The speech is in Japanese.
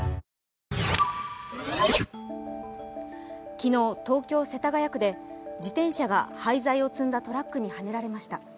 昨日、東京・世田谷区で自転車が廃材を積んだトラックにはねられました。